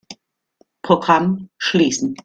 Programm schließen.